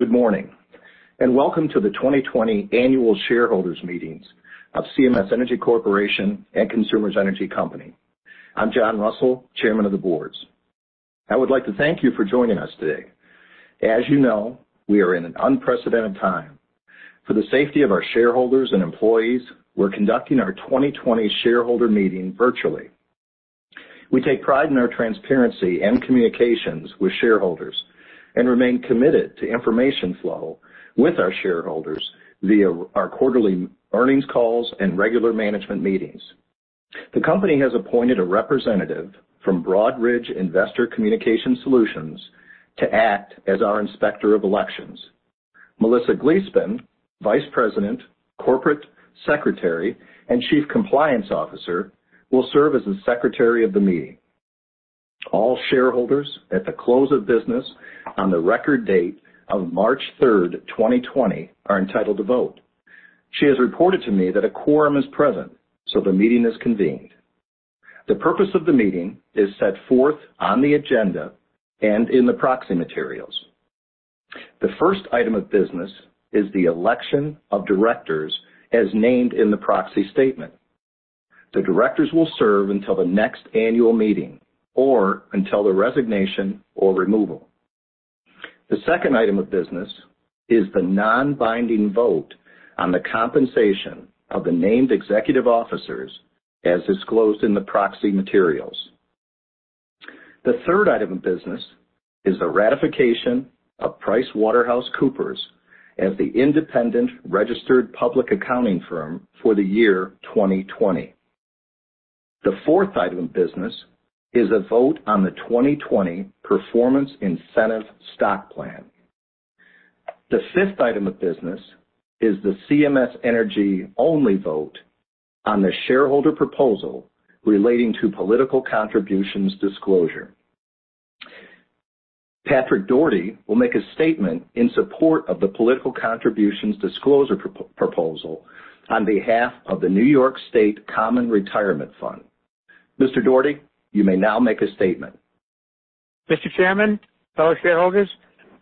Good morning, and welcome to the 2020 Annual Shareholders' Meetings of CMS Energy Corporation and Consumers Energy Company. I'm John Russell, Chairman of the Board. I would like to thank you for joining us today. As you know, we are in an unprecedented time. For the safety of our shareholders and employees, we're conducting our 2020 shareholder meeting virtually. We take pride in our transparency and communications with shareholders, and remain committed to information flow with our shareholders via our quarterly earnings calls and regular management meetings. The company has appointed a representative from Broadridge Investor Communication Solutions to act as our Inspector of Elections. Melissa Gleespen, Vice President, Corporate Secretary, and Chief Compliance Officer, will serve as the Secretary of the meeting. All shareholders at the close of business on the record date of March 3rd, 2020 are entitled to vote. She has reported to me that a quorum is present, so the meeting is convened. The purpose of the meeting is set forth on the agenda and in the proxy materials. The first item of business is the election of directors as named in the proxy statement. The directors will serve until the next annual meeting or until their resignation or removal. The second item of business is the non-binding vote on the compensation of the named executive officers as disclosed in the proxy materials. The third item of business is the ratification of PricewaterhouseCoopers as the independent registered public accounting firm for the year 2020. The fourth item of business is a vote on the 2020 Performance Incentive Stock Plan. The fifth item of business is the CMS Energy-only vote on the shareholder proposal relating to political contributions disclosure. Patrick Doherty will make a statement in support of the political contributions disclosure proposal on behalf of the New York State Common Retirement Fund. Mr. Doherty, you may now make a statement. Mr. Chairman, fellow shareholders,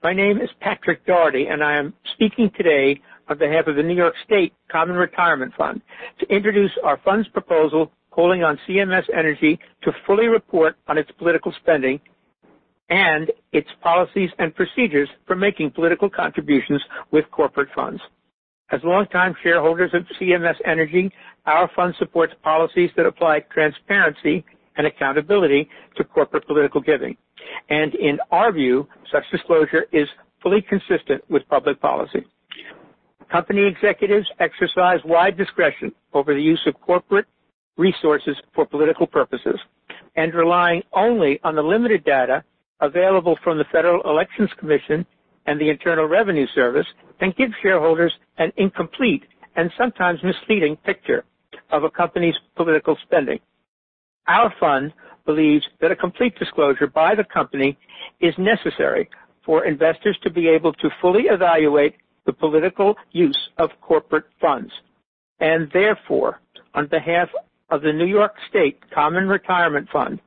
my name is Patrick Doherty, and I am speaking today on behalf of the New York State Common Retirement Fund to introduce our fund's proposal calling on CMS Energy to fully report on its political spending and its policies and procedures for making political contributions with corporate funds. As longtime shareholders of CMS Energy, our fund supports policies that apply transparency and accountability to corporate political giving. In our view, such disclosure is fully consistent with public policy. Company executives exercise wide discretion over the use of corporate resources for political purposes, and relying only on the limited data available from the Federal Election Commission and the Internal Revenue Service can give shareholders an incomplete and sometimes misleading picture of a company's political spending. Our fund believes that a complete disclosure by the company is necessary for investors to be able to fully evaluate the political use of corporate funds. Therefore, on behalf of the New York State Common Retirement Fund,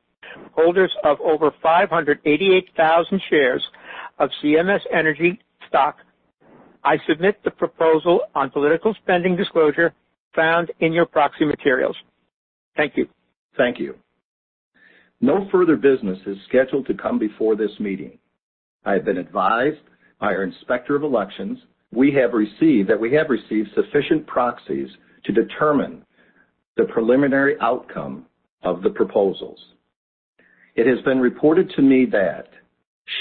holders of over 588,000 shares of CMS Energy stock, I submit the proposal on political spending disclosure found in your proxy materials. Thank you. Thank you. No further business is scheduled to come before this meeting. I have been advised by our Inspector of Elections that we have received sufficient proxies to determine the preliminary outcome of the proposals. It has been reported to me that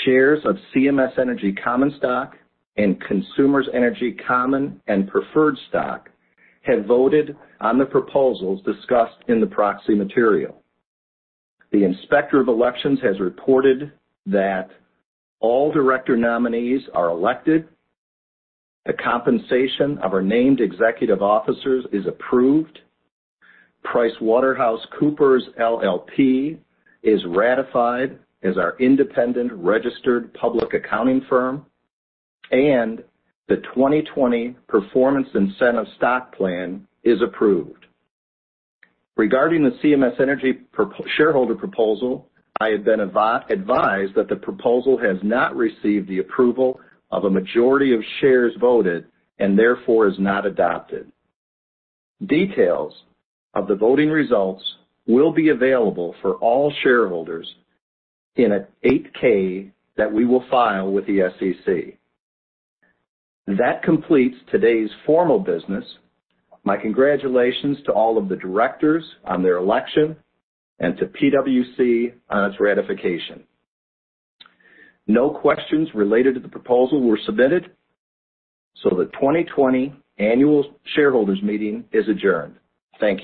shares of CMS Energy common stock and Consumers Energy common and preferred stock have voted on the proposals discussed in the proxy material. The Inspector of Elections has reported that all director nominees are elected, the compensation of our named executive officers is approved, PricewaterhouseCoopers LLP is ratified as our independent registered public accounting firm, and the 2020 Performance Incentive Stock Plan is approved. Regarding the CMS Energy shareholder proposal, I have been advised that the proposal has not received the approval of a majority of shares voted and therefore is not adopted. Details of the voting results will be available for all shareholders in an 8-K that we will file with the SEC. That completes today's formal business. My congratulations to all of the directors on their election and to PwC on its ratification. No questions related to the proposal were submitted. The 2020 Annual Shareholders Meeting is adjourned. Thank you.